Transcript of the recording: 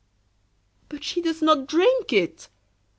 "But she does not drink it!"